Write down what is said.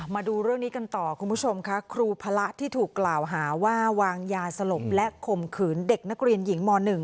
มาดูเรื่องนี้กันต่อคุณผู้ชมค่ะครูพระที่ถูกกล่าวหาว่าวางยาสลบและข่มขืนเด็กนักเรียนหญิงม๑